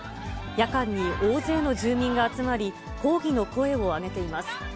夜間に大勢の住民が集まり、抗議の声を上げています。